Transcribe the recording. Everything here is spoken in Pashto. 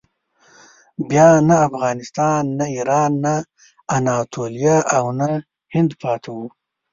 بیا نه افغانستان، نه ایران، نه اناتولیه او نه هند پاتې وي.